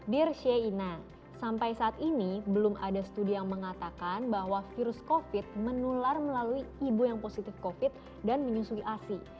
dear sheina sampai saat ini belum ada studi yang mengatakan bahwa virus covid menular melalui ibu yang positif covid dan menyusui asi